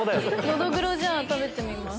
ノドグロじゃあ食べてみます。